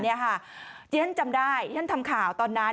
ที่ฉันจำได้ที่ฉันทำข่าวตอนนั้น